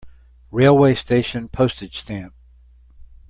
Railway station Postage stamp.